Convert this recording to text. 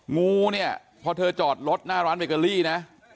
งูเนี่ยพอเธอจอดรถหน้าร้านเบเกอรี่นะ